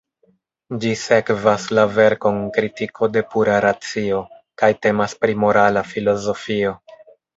Ĝi sekvas la verkon "Kritiko de Pura Racio" kaj temas pri morala filozofio.